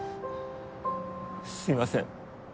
すいません。